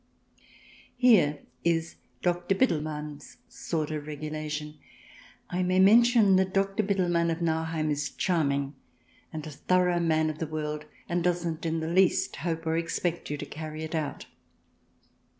Here is Doctor Bittelmann's sort of regulation. I may mention that Doctor Bittelmann of Nauheim is charming, and a thorough man of the world, and doesn't in the least hope or expect you to carry it out.